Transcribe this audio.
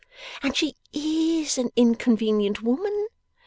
And she IS an inconvenient woman.